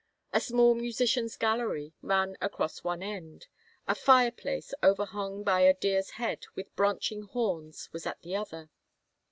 A small musicians' gallery ran across one end; a fire place, overhung by a deer's head with branching horns, was at the other.